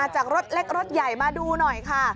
จากรถเล็กรถใหญ่มาดูหน่อยค่ะ